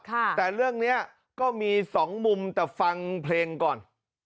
แต่เรื่องนี้ก็มีสองมุมแต่ฟังเพลงก่อน